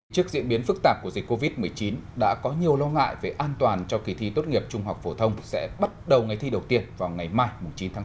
trước diễn biến phức tạp của dịch covid một mươi chín đã có nhiều lo ngại về an toàn cho kỳ thi tốt nghiệp trung học phổ thông sẽ bắt đầu ngày thi đầu tiên vào ngày mai chín tháng tám